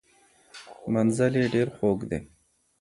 منزل یې ډیر خوږ دی.